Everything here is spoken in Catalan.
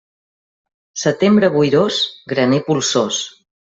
Setembre boirós, graner polsós.